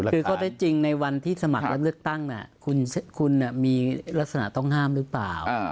คือข้อเท็จจริงในวันที่สมัครรับเลือกตั้งคุณมีลักษณะต้องห้ามหรือเปล่า